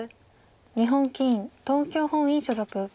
日本棋院東京本院所属。